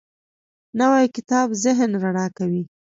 نوی کتاب ذهن رڼا کوي